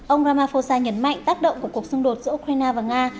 ông ramaphosa nhấn mạnh tác động của cuộc xung đột giữa ukraine và nga